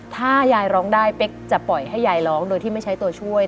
ถ้ายายร้องได้เป๊กจะปล่อยให้ยายร้องโดยที่ไม่ใช้ตัวช่วย